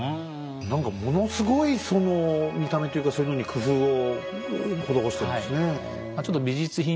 何かものすごいその見た目というかそういうのに工夫を施してるんですね。